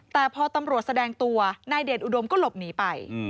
แต่พอตำรวจแสดงตัวนายเดชอุดมก็หลบหนีไป